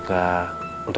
ini ada formula formula untuk